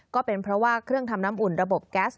ก็เป็นเพราะว่าเครื่องทำน้ำอุ่นระบบแก๊ส